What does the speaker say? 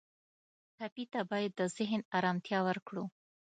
ټپي ته باید د ذهن آرامتیا ورکړو.